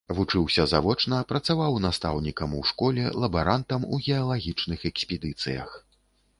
Вучыўся завочна, працаваў настаўнікам у школе, лабарантам у геалагічных экспедыцыях.